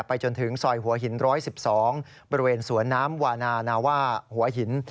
จนถึงซอยหัวหิน๑๑๒บริเวณสวนน้ำวานานาว่าหัวหิน